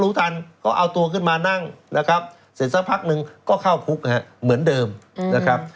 ทันก็เอาตัวขึ้นมานั่งนะครับเสร็จสักพักหนึ่งก็เข้าคุกเหมือนเดิมนะครับ